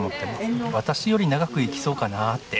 私より長く生きそうかなって。